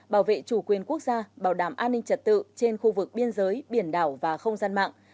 bảo vệ chủ quyền quốc gia bảo đảm an ninh trật tự trên khu vực biên giới biển đảo và không gian mạng